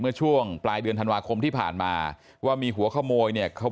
เมื่อช่วงปลายเดือนธันวาคมที่ผ่านมาว่ามีหัวขโมยเนี่ยเขา